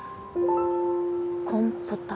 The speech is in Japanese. コンポタ。